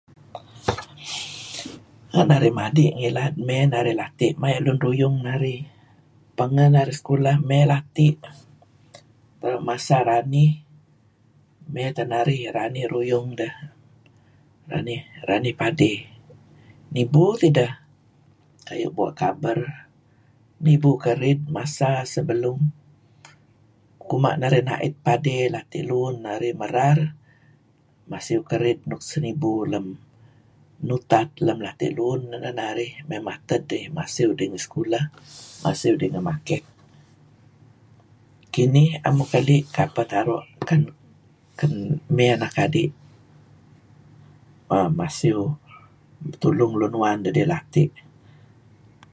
Renga' narih madii ngilad mey narih lati' maya' lun ruyung narih . Pengeh narih sekulah mey lati'. Renga' masa ranih mey teh narih ranih ruyung deh ranih padey. Nibu tideh kayu' bua' kaber, nibu kerid masa sebelum kuma' narih na'it padey lati' luun narih merar masiew kerid nuk senibu lem nutat lem lati' luun neh narih, mey mated dih masiew dih ngi sekulah, masiew dih ngi market. Kinih 'am uih keli' kapeh taru' ken ken mey anak adi' masiew, tulung lun uwan dedih lati'.